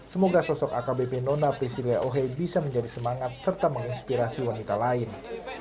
semoga sosok akbp nona priscilia ohe bisa menjadi semangat serta menginspirasi wanita lain